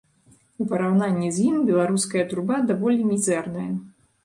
У параўнанні з ім беларуская труба даволі мізэрная.